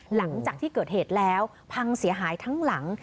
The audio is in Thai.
หลังจากที่เกิดเหตุแล้วพังเสียหายทั้งหลัง